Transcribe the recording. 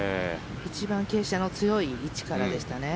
一番傾斜の強い位置からでしたね。